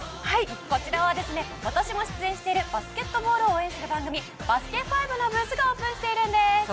こちらは私も出演しているバスケットボールを応援する番組「バスケ☆ＦＩＶＥ」のブースがオープンしているんです。